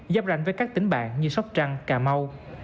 giám rành với các tỉnh bạn như sóc trăng cà mau